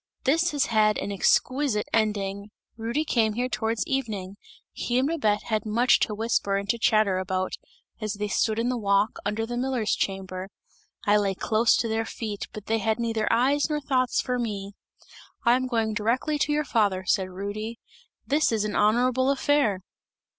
This has had an exquisite ending! Rudy came here towards evening; he and Babette had much to whisper and to chatter about, as they stood in the walk, under the miller's chamber. I lay close to their feet but they had neither eyes nor thoughts for me. 'I am going directly to your father,' said Rudy, 'this is an honourable affair!'